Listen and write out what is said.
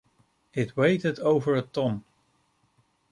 It weighed over a ton.